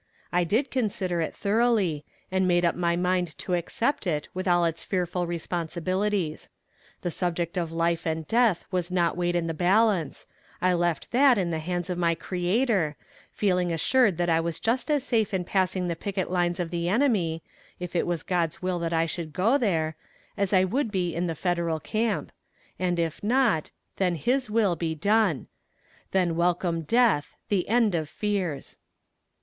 I did consider it thoroughly, and made up my mind to accept it with all its fearful responsibilities. The subject of life and death was not weighed in the balance; I left that in the hands of my Creator, feeling assured that I was just as safe in passing the picket lines of the enemy, if it was God's will that I should go there, as I would be in the Federal camp. And if not, then His will be done: Then welcome death, the end of fears.